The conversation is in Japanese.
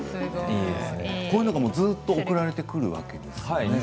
こういうのがずっと送られてくるわけですね。